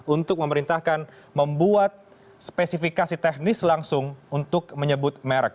untuk memerintahkan membuat spesifikasi teknis langsung untuk menyebut merek